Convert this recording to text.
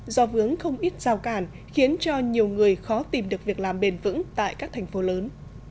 do vướng không ít rào cản khiến cho nhiều người khó tìm được việc làm bền vững tại các thành phố lớn